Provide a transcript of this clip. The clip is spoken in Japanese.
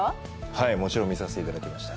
はい、もちろん、見させていただきました。